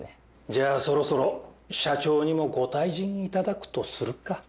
じゃあそろそろ社長にもご退陣いただくとするか。